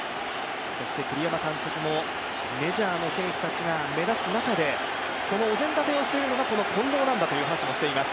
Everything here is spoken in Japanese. そして栗山監督も、メジャーの選手たちが目立つ中で、そのお膳立てをしているのが近藤だと話しています。